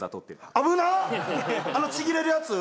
あのちぎれるやつ？